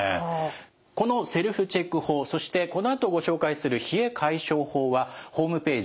このセルフチェック法そしてこのあとご紹介する冷え解消法はホームページ